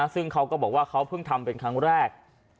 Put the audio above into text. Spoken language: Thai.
ซึ่งเขาก็บอกว่าเขาเพิ่งทำเป็นครั้งแรก